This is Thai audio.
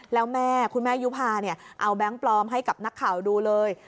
แล้วแม่คุณแม่ยุภาเอาแบงค์ปลอมให้กับนักข่าวดูเลย